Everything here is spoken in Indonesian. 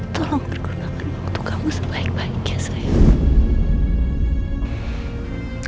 tolong berguna untuk kamu sebaik baik ya sayang